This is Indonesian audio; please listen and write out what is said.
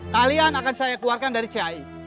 kalian akan saya keluarkan dari kiai